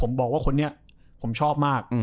ผมบอกว่าคนนี้ผมชอบมาก